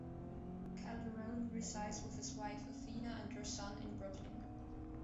Calderone resides with his wife Athena, and their son in Brooklyn.